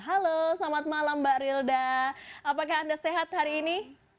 halo selamat malam mbak rilda apakah anda sehat hari ini